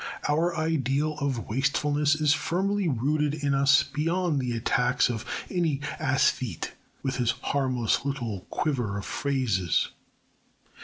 Our ideal of wastefulness is firmly rooted in us beyond the attacks of any æsthete with his harmless little quiver of phrases.